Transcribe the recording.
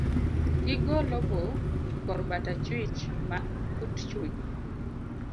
Gigol obo kor bat achwich but chuny